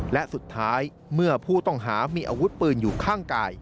และสุดท้ายเมื่อผู้ต้องหามีอาวุธปืนอยู่ข้างกาย